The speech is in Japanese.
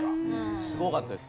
すごかったです。